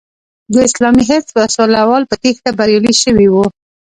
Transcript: د اسلامي حزب وسله وال په تېښته بریالي شوي وو.